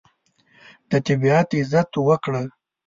د طبیعت عزت وکړه.